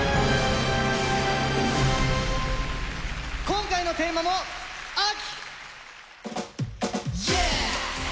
今回のテーマも「秋」！